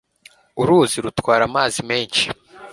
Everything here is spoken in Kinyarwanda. Uruzi rutwara amazi menshi.